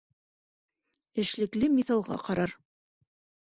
Эшлекле миҫалға ҡарар